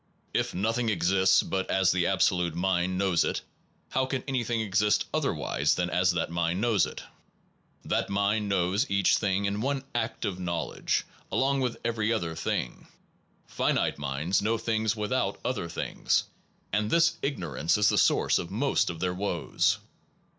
If nothing exists but as the Abso lute Mind knows it, how can anything exist otherwise than as that Mind knows it? That Mind knows each thing in one act of know ledge, along with every other thing. Finite minds know T things without other things, and this ignorance is the source of most of their w r oes.